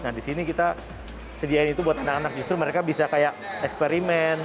nah di sini kita sediain itu buat anak anak justru mereka bisa kayak eksperimen